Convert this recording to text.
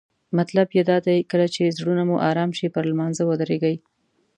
مطلب یې دا دی کله چې زړونه مو آرام شي پر لمانځه ودریږئ.